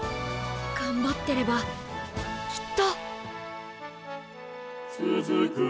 頑張ってればきっと！